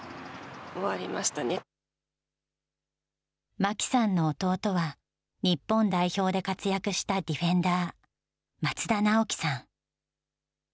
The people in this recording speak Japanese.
真紀さんの弟は、日本代表で活躍したディフェンダー、松田直樹さん。